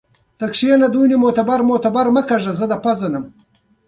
وینا ...